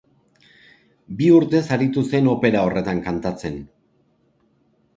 Bi urtez aritu zen opera horretan kantatzen.